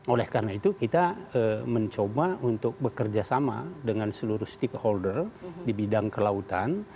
oleh karena itu kita mencoba untuk bekerja sama dengan seluruh stakeholder di bidang kelautan